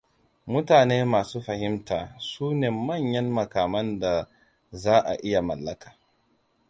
Mutane masu fahimta sune manyan makaman da za a iya mallaka.